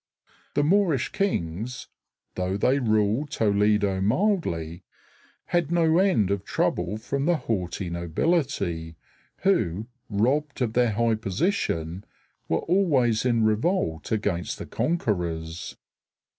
The Moorish kings, though they ruled Toledo mildly, had no end of trouble from the haughty nobility, who, robbed of their high position, were always in revolt against the conquerors.